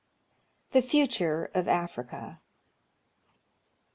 The Future of Africa.